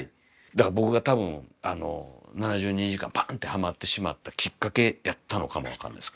だから僕が多分「７２時間」バンってハマってしまったきっかけやったのかも分からないです